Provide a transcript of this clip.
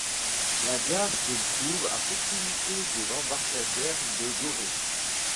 La gare se trouve à proximité de l’embarcadère de Gorée.